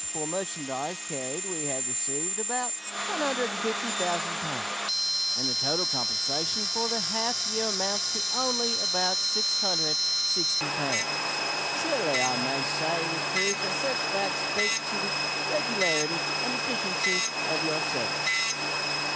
For merchandise carried we have received about 150,000 pounds, and the total compensation for the half year amounts to only about 660 pounds. Surely I may say with truth that such facts speak to the regularity and efficiency of your service.